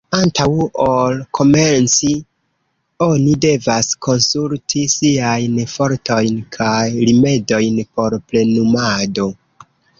Antaŭ ol komenci, oni devas konsulti siajn fortojn kaj rimedojn por plenumado.